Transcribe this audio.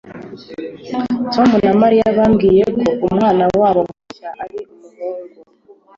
Tom na Mariya bambwiye ko umwana wabo mushya ari umuhungu.